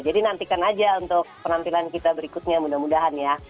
jadi nantikan aja untuk penampilan kita berikutnya mudah mudahan ya